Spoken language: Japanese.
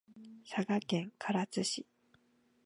佐賀県唐津市